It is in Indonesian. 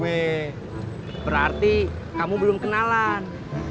weh berarti kamu belum kenalan